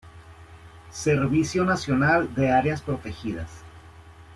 Servicio Nacional de Áreas Protegidas